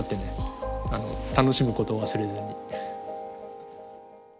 楽しむことを忘れずに。